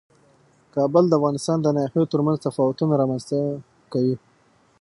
کابل د افغانستان د ناحیو ترمنځ تفاوتونه رامنځ ته کوي.